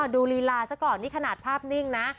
ดูลีลาเมื่อก่อนภาพนิ่งนะ